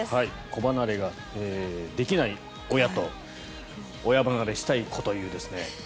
子離れができない親と親離れしたい子というね。